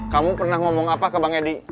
kamu pernah ngomong apa ke bang edi